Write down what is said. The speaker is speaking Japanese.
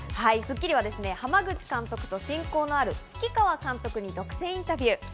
『スッキリ』は濱口監督と親交のある月川監督に独占インタビュー。